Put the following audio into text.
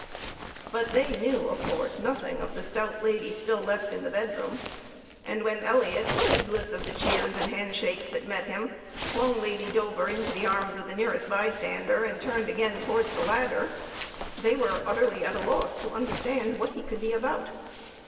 But they knew, of course, nothing of the stout lady still left in the bedroom; and when Elliot, heedless of the cheers and hand shakes that met him, flung Lady Dover into the arms of the nearest bystander, and turned again towards the ladder, they were utterly at a loss to understand what he could be about.